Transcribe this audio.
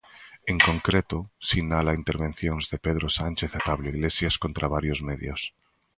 En concreto, sinala intervencións de Pedro Sánchez e Pablo Iglesias contra varios medios.